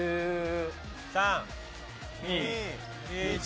３２１。